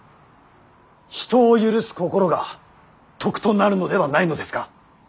人を許す心が徳となるのではないのですか。